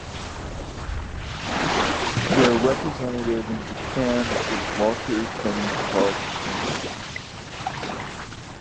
Their representative in Japan was Walter Tenney Carleton.